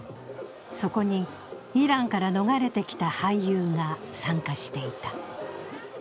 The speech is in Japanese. そこにイランから逃れてきた俳優が参加していた。